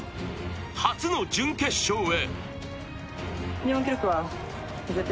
初の準決勝へ。